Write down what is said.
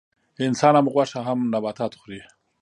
انسان هم غوښه او هم نباتات خوري